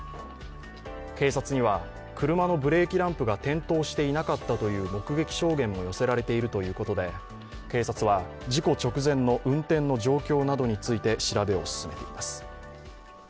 警察には車のブレーキランプが点灯していなかったという目撃証言も寄せられているということで警察は、事故直前の運転の状況などについて調べを進めています。